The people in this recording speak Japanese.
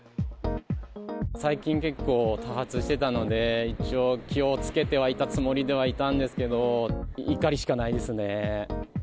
最近、結構多発してたので、一応、気をつけてはいたつもりではいたんですけど、怒りしかないですね。